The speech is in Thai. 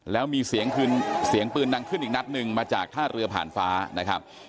แล้วมีเสียงปืนดังขึ้นอีกนัดหนึ่งมาจากท่าเรือผ่านฟ้านะครับ